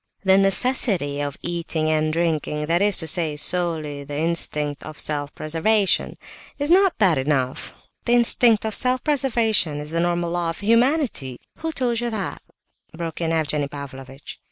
"The necessity of eating and drinking, that is to say, solely the instinct of self preservation..." "Is not that enough? The instinct of self preservation is the normal law of humanity..." "Who told you that?" broke in Evgenie Pavlovitch.